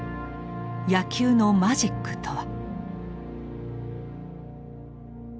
野球の「マジック」とは。